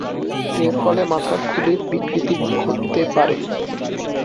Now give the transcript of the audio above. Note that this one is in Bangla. এর ফলে মাথার খুলির বিকৃতি ঘটতে পারে।